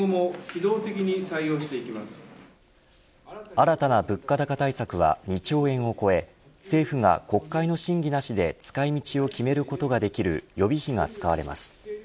新たな物価高対策は２兆円を超え政府が国会の審議なしで使い道を決めることができる予備費が使われます。